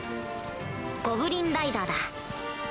ゴブリンライダーだ